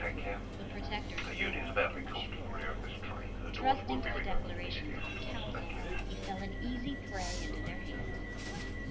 The Protector's ruin had been assured. Trusting to the declarations of the Council, he fell an easy prey into their hands.